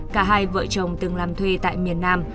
cả hai vợ chồng từng làm thuê tại miền nam